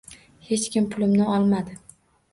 Hech kim pulimni olmadi.